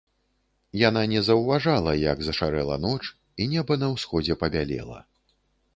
Яна не заўважала, як зашарэла ноч і неба на ўсходзе пабялела.